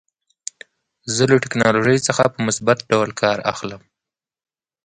زه له ټکنالوژۍ څخه په مثبت ډول کار اخلم.